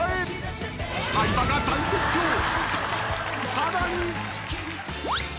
［さらに！］